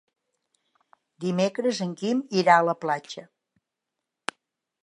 Dimecres en Quim irà a la platja.